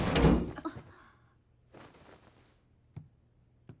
あっ。